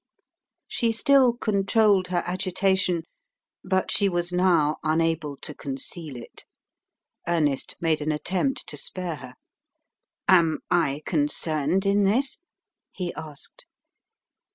She still controlled her agitation but she was now unable to conceal it. Ernest made an attempt to spare her. "Am I concerned in this?" he asked.